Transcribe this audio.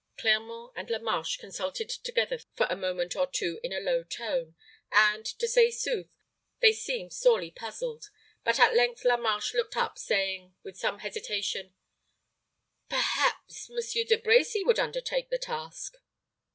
Clermont and La Marche consulted together for a moment or two in a low tone, and, to say sooth, they seemed sorely puzzled. But at length La Marche looked up, saying, with some hesitation, "Perhaps Monsieur De Brecy would undertake the task?"